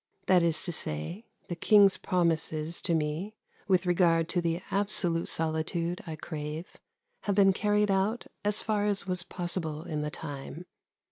That is to say, the King's promises to me with regard to the absolute solitude I crave have been carried out as far as was possible in the time.